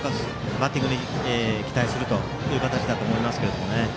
バッティングに期待する形だと思いますけどね。